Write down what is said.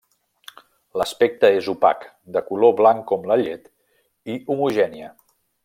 L'aspecte és opac, de color blanc com la llet, i homogènia.